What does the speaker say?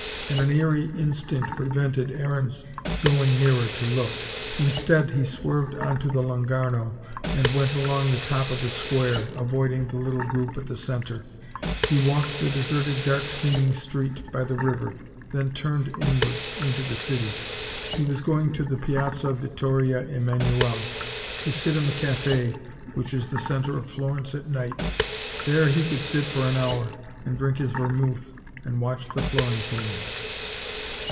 And an eerie instinct prevented Aaron's going nearer to look. Instead, he swerved on to the Lungarno, and went along the top of the square, avoiding the little group in the centre. He walked the deserted dark seeming street by the river, then turned inwards, into the city. He was going to the Piazza Vittoria Emmanuele, to sit in the cafe which is the centre of Florence at night. There he could sit for an hour, and drink his vermouth and watch the Florentines.